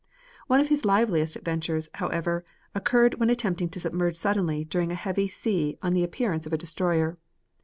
One of his liveliest adventures, however, occurred when attempting to submerge suddenly during a heavy sea on the appearance of a destroyer.